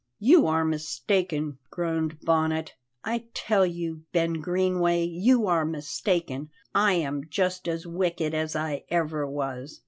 "You are mistaken," groaned Bonnet; "I tell you, Ben Greenway, you are mistaken; I am just as wicked as I ever was.